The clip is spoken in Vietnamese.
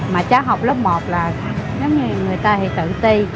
mà cháu học lớp một là nếu như người ta thì tự ti